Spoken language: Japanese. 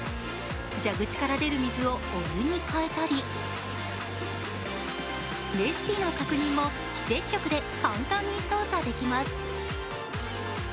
蛇口から出る水をお湯に変えたりレシピの確認も、非接触で簡単に操作できます。